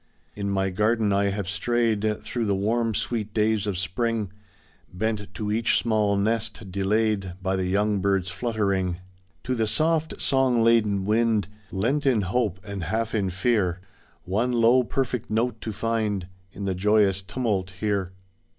In my garden I have strayed Through the warm sweet days of Spring, Bent to each smaU nest, delayed By the young birds' fluttering. ' THE SAD YEARS MIGRATORY BIRDS (Continued) To the softy song laden wind Leant in hope and half in fear. One low perfect note to find In the joyous timiult here.